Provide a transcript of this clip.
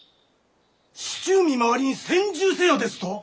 市中見回りに専従せよですと！？